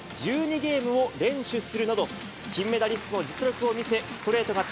ゲームを連取するなど、金メダリストの実力を見せ、ストレート勝ち。